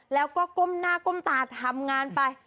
แล้วก็ก้มหน้าก้มตาทำงานไป